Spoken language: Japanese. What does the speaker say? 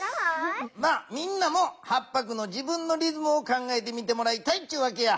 みんなも８ぱくの自分のリズムを考えてみてもらいたいっちゅうわけや。